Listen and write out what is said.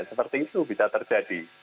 seperti itu bisa terjadi